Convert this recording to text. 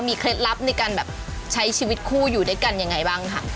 เคล็ดลับในการแบบใช้ชีวิตคู่อยู่ด้วยกันยังไงบ้างค่ะ